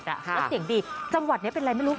แล้วเสียงดีจังหวัดนี้เป็นอะไรไม่รู้